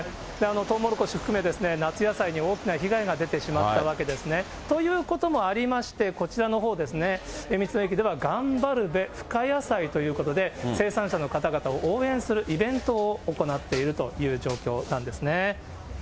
とうもろこし含め、夏野菜に大きな被害が出てしまったわけですね。ということもありまして、こちらのほうですね、道の駅ではガンバルベフカヤサイということで、生産者の方々を応援するイベントを行っているという状況ですね。